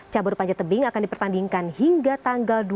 cabur panjat tebing akan dipertandingkan hingga tanggal dua puluh